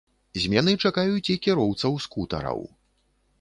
Змены чакаюць і кіроўцаў скутараў.